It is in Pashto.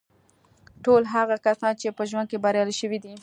ټول هغه کسان چې په ژوند کې بریالي شوي دي